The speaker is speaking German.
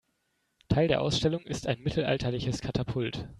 Teil der Ausstellung ist ein mittelalterliches Katapult.